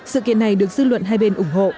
sự kiện này được dư luận hai bên ủng hộ